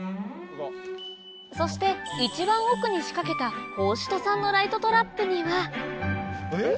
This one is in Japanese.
そして一番奥に仕掛けた法師人さんのライトトラップにはえっ？